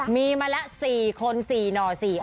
มีมาละ๔คน๔หน่อ๔อ๋อ